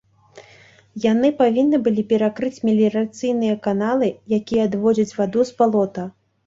Яны павінны былі перакрыць меліярацыйныя каналы, якія адводзяць ваду з балота.